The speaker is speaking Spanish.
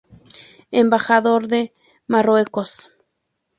Embajador de Marruecos.